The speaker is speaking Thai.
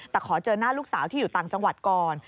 แต่ขอเจอหน้าลูกสาวที่อยู่ต่างจังหวัดก่อน